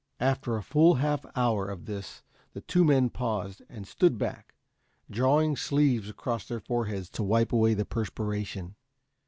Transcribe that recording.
After a full half hour of this the two men paused, and stood back, drawing sleeves across their foreheads to wipe away the perspiration.